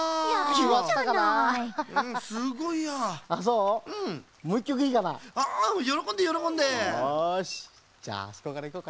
よしじゃああそこからいこうかな。